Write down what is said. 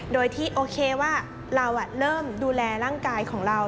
โดยที่โอเคว่าเราเริ่มดูแลร่างกายของเรา